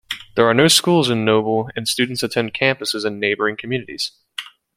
There are no schools in Noble and students attend campuses in neighboring communities.